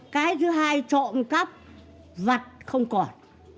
cái thứ hai trộm cắp vật không còn